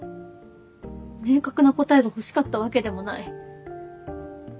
明確な答えが欲しかったわけでもない。